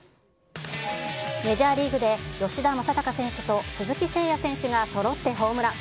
メジャーリーグで吉田正尚選手と鈴木誠也選手がそろってホームラン。